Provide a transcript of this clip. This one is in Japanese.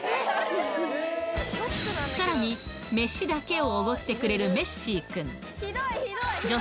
さらに、飯だけをおごってくれるメッシーくん。